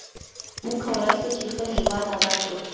موږ کولای سو چي خپل هېواد آباد کړو.